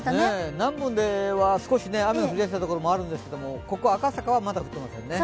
南部では少し雨が降りだしたところもあるんですが、ここ赤坂はまだ降ってませんね。